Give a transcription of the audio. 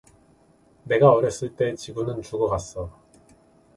내가 어렸을 때, 지구는 죽어 갔어.